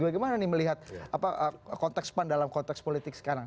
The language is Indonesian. bagaimana nih melihat konteks pan dalam konteks politik sekarang